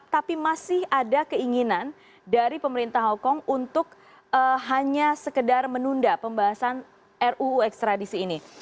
tapi masih ada keinginan dari pemerintah hongkong untuk hanya sekedar menunda pembahasan ruu ekstradisi ini